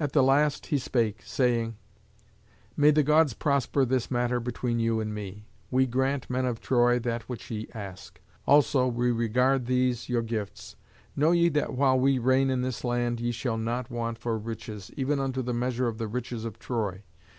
At the last he spake, saying, "May the Gods prosper this matter between you and me. We grant, men of Troy, that which ye ask. Also we regard these your gifts. Know ye that while we reign in this land ye shall not want for riches, even unto the measure of the riches of Troy.